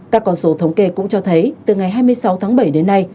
các con số thống kê cũng cho thấy từ ngày hai mươi sáu tháng bảy đến nay